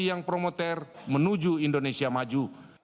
yang promoter menuju indonesia maju